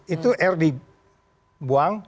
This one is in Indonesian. itu r dibuang